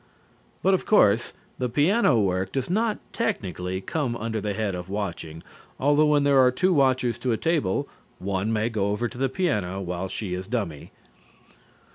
But, of course, the piano work does not technically come under the head of watching, although when there are two watchers to a table, one may go over to the piano while she is dummy.